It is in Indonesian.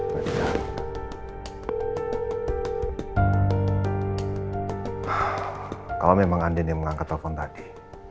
kalau memang andin yang mengangkat telepon tadi